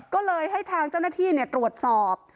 ก็เลยให้ทางเจ้าหน้าที่ตรวจสอบ